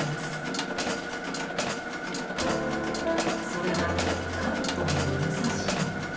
それは関東の武蔵野。